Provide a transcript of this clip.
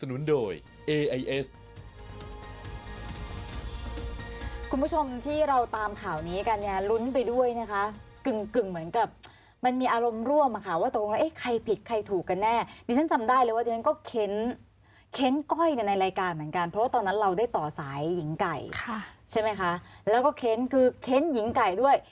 คุณผู้ชมที่เราตามข่าวนี้กันเนี่ยลุ้นไปด้วยนะคะกึ่งเหมือนกับมันมีอารมณ์ร่วมอะค่ะว่าตกลงแล้วเอ๊ะใครผิดใครถูกกันแน่ดิฉันจำได้เลยว่าดิฉันก็เค้นก้อยในรายการเหมือนกันเพราะว่าตอนนั้นเราได้ต่อสายหญิงไก่ใช่ไหมคะแล้วก็เค้นคือเค้นหญิงไก่ด้วย